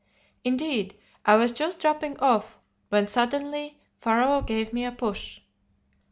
Indeed I was just dropping off, when suddenly Pharaoh gave me a push.